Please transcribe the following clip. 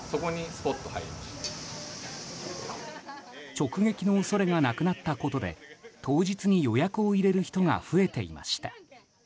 直撃の恐れがなくなったことで当日に予約を入れる人が増えていました。